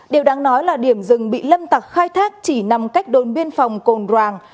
điều đáng nói là điểm rừng bị lâm tặc khai thác chỉ nằm cách đồn biên phòng cồn